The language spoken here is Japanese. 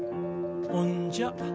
ほんじゃ。